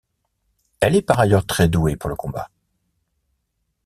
Elle est par ailleurs très douée pour le combat.